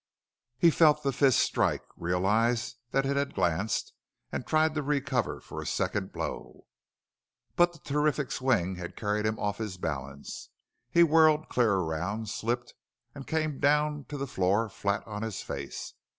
He felt the fist strike, realized that it had glanced, and tried to recover for a second blow. But the terrific swing had carried him off his balance. He whirled clear around, slipped, and came down to the floor flat on his face.